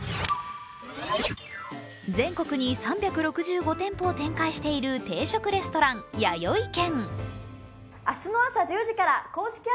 全国に３６５店舗を展開している定食レストラン・やよい軒。